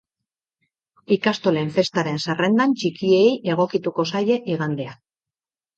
Ikastolen festaren zerrendan txikiei egokituko zaie igandean.